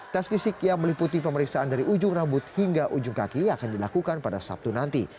tes fisik yang meliputi pemeriksaan dari ujung rambut hingga ujung kaki akan dilakukan pada sabtu nanti